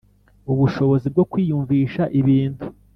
Ubushobozi bwo kwiyumvisha ibintu